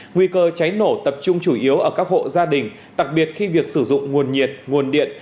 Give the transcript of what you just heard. nguy cơ cháy nổ tập trung chủ yếu ở các hộ gia đình đặc biệt khi việc sử dụng nguồn nhiệt nguồn điện